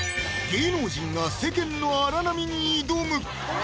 芸能人が世間の荒波に挑む！